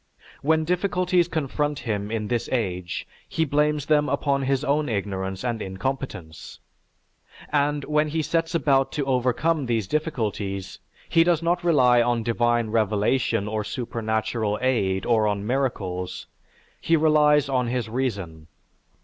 When difficulties confront him in this age, he blames them upon his own ignorance and incompetence. And, when he sets about to overcome these difficulties, he does not rely on divine revelation or supernatural aid or on miracles; he relies on his reason.